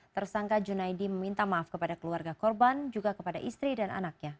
tersangka junaidi meminta maaf kepada keluarga korban juga kepada istri dan anaknya